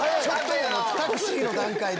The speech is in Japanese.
タクシーの段階で⁉